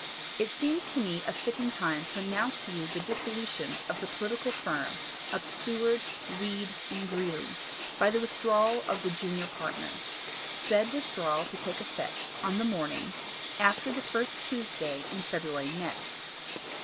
It seems to me a fitting time to announce to you the dissolution of the political firm of Seward, Weed and Greeley by the withdrawal of the junior partner, said withdrawal to take effect on the morning after the first Tuesday in February next.